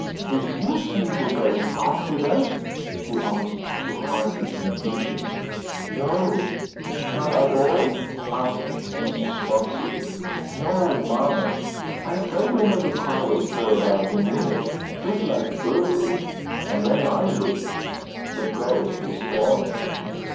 "Did you see the ghost after that?" he asked to hide his confusion. "No." "Not at all?" asked Mrs. Bobbsey. "No, mamma. I stayed under the covers for about a minute just like Bert did and when I looked the ghost was gone."